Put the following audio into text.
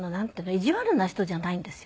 意地悪な人じゃないんですよ。